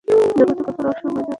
জগতে কত রহস্যময় ব্যাপারই তো ঘটে।